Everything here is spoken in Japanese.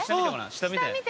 下見て。